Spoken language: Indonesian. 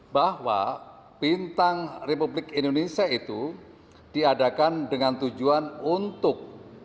bahwa bintang republik indonesia itu diadakan dengan tujuan untuk